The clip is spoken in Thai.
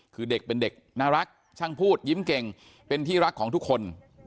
คือเด็กเป็นเด็กน่ารักช่างพูดยิ้มเก่งเป็นที่รักของทุกคน